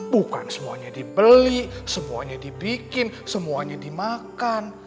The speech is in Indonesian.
bukan semuanya dibeli semuanya dibikin semuanya dimakan